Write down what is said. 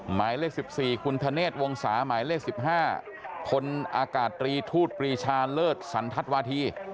หมายเลข๑๔คุณธเนศวงศาหมายเลข๑๕พลอากาศตรีทูตปรีชาเลิศสันทัศนวาธี